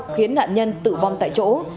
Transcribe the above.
khiến nạn nhân tử vong tại chỗ